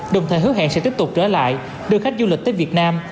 đồng thời hứa hẹn sẽ tiếp tục trở lại đưa khách du lịch tới việt nam